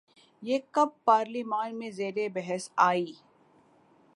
یہ کب پارلیمان میں زیر بحث آئی؟